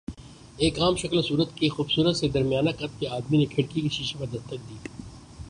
ایک عام شکل و صورت کے خوبصورت سے درمیانہ قد کے آدمی نے کھڑکی کے شیشے پر دستک دی۔